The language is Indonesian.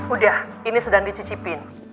udah ini sedang dicicipin